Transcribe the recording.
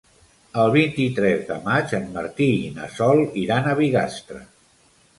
El vint-i-tres de maig en Martí i na Sol iran a Bigastre.